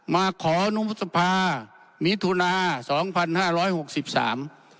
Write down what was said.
มาขอนุพฤษภามิถุนาสองพันห้าร้อยหกสิบสาม